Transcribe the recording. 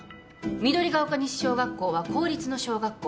緑が丘西小学校は公立の小学校